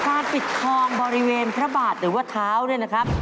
ปิดทองบริเวณพระบาทหรือว่าเท้าเนี่ยนะครับ